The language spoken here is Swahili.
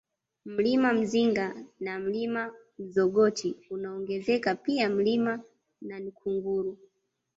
Mlima Mzinga na Mlima Mzogoti unaongezeka pia Mlima Nankungulu